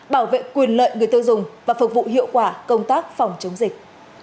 bảo vệ quyền lợi người tiêu dùng và phục vụ hiệu quả công tác phòng chống dịch